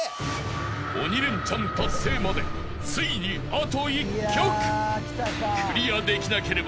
［鬼レンチャン達成までついにあと１曲］